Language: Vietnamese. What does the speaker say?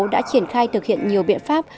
đã triển khai thực hiện nhiều biện pháp